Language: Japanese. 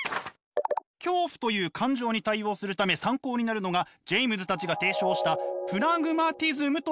恐怖という感情に対応するため参考になるのがジェイムズたちが提唱したプラグマティズムという考え。